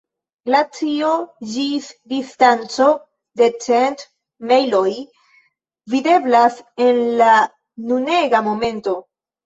Glacio ĝis distanco de cent mejloj videblas en la nunega momento.